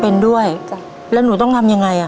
เป็นด้วยจ้ะแล้วหนูต้องทำยังไงอ่ะ